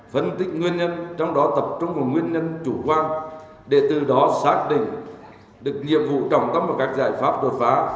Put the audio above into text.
phân tích nguyên nhân trong đó tập trung vào nguyên nhân chủ quan để từ đó xác định được nhiệm vụ trọng tâm và các giải pháp đột phá